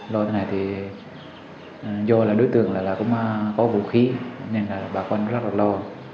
lo thế này thì do đối tượng cũng có vũ khí nên bà con rất là lo